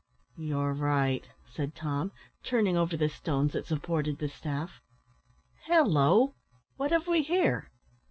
"You are right," said Tom, turning over the stones that supported the staff "halloo! what have we here?"